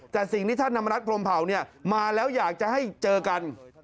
แต่สิ่งที่ท่านธรรมนัฐพรมเผามาแล้วอยากจะให้เจอกัน